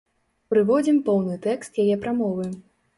Прыводзім поўны тэкст яе прамовы.